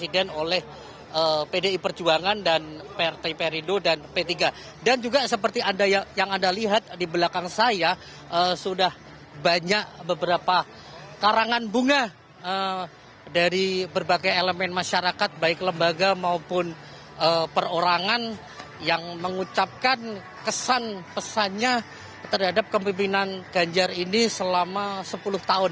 dan juga seperti yang anda lihat di belakang saya sudah banyak beberapa karangan bunga dari berbagai elemen masyarakat baik lembaga maupun perorangan yang mengucapkan kesan pesannya terhadap kepimpinan ganjar ini selama sepuluh tahun